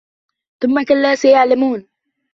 ثُمَّ كَلَّا سَيَعْلَمُونَ